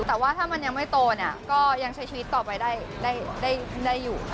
แต่ว่าถ้ามันยังไม่โตเนี่ยก็ยังใช้ชีวิตต่อไปได้อยู่